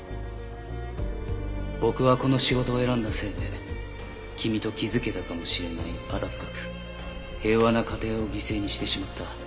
「僕はこの仕事を選んだせいで君と築けたかもしれない温かく平和な家庭を犠牲にしてしまった」